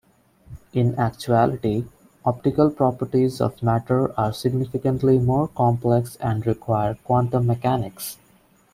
In actuality, optical properties of matter are significantly more complex and require quantum mechanics.